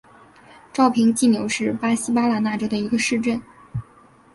绍平济纽是巴西巴拉那州的一个市镇。